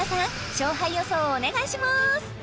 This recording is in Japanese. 勝敗予想をお願いします